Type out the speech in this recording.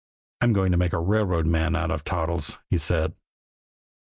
"I'm going to make a railroad man out of Toddles," he said.